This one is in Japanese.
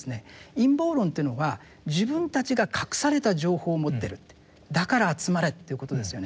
陰謀論というのは自分たちが隠された情報を持ってるってだから集まれということですよね。